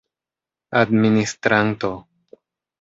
administranto